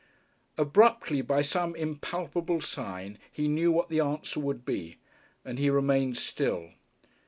Abruptly, by some impalpable sign, he knew what the answer would be, and he remained still.